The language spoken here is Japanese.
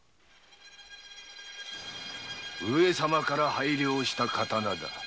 上様から拝領した刀だ。